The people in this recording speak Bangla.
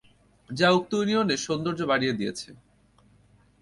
যা উক্ত ইউনিয়নের সৌন্দর্য বাড়িয়ে দিয়েছে।